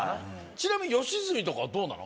ちなみに吉住とかはどうなの？